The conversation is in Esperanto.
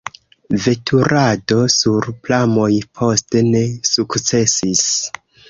Veturado sur pramoj poste ne sukcesis.